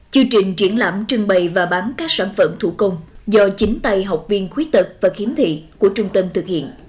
chương trình triển lãm trưng bày và bán các sản phẩm thủ công do chính tay học viên khuyết tật và khiếm thị của trung tâm thực hiện